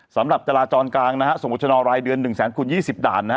สำหรับจราจรกลางนะฮะส่งบัชนอรายเดือน๑แสนคูณ๒๐ด่านนะฮะ